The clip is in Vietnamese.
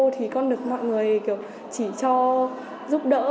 thì con được mọi người kiểu chỉ cho giúp đỡ